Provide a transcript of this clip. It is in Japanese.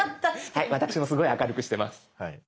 はい私もすごい明るくしてます。